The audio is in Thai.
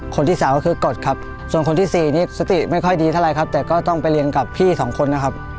คนที่สามก็คือกฎครับส่วนคนที่สี่นี่สติไม่ค่อยดีเท่าไรครับแต่ก็ต้องไปเรียนกับพี่สองคนนะครับ